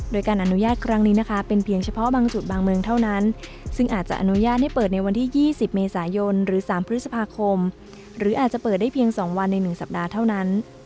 โดยการอนุญาตครั้งนี้นะคะเป็นเพียงเฉพาะบางจุดบางเมืองเท่านั้นซึ่งอาจจะอนุญาตให้เปิดในวันที่๒๐เมษายนหรือ๓พฤษภาคมหรืออาจจะเปิดได้เพียง๒วันใน๑สัปดาห์เท่านั้น